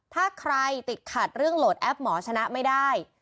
ถ้าใครติดขัดเรื่องโหลดแอปหมอชนะไม่ได้